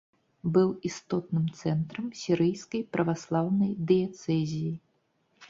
Быў істотным цэнтрам сірыйскай праваслаўнай дыяцэзіі.